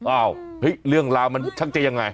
อ้าวเฮ้ยเรื่องราวมันชักจะยังไง